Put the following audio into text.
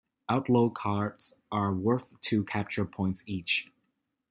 Outlaw cards are worth two capture points each.